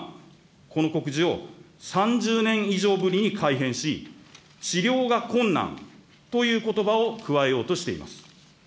しかし今、この告示を３０年以上ぶりに改編し、治療が困難ということばを加えようとしています。